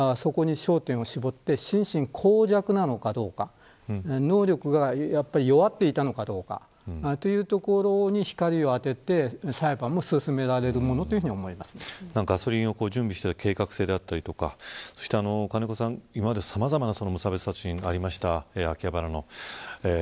今後の裁判の争点というのはそこに焦点をしぼって心神耗弱なのかどうか能力が弱っていたのかどうか。というところに光を当てて裁判も進められるものとガソリンを準備している計画性だったり金子さん、今まで様々な無差別殺人がありました。